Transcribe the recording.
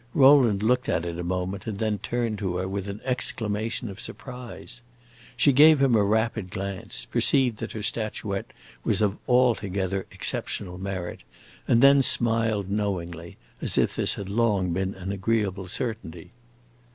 Rowland looked at it a moment and then turned to her with an exclamation of surprise. She gave him a rapid glance, perceived that her statuette was of altogether exceptional merit, and then smiled, knowingly, as if this had long been an agreeable certainty.